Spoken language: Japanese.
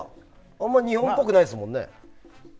あんまり日本っぽくないですもんね。